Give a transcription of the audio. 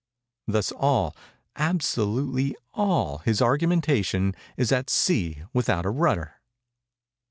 Thus all—absolutely all his argumentation is at sea without a rudder.